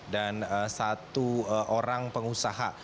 dan satu orang pengusaha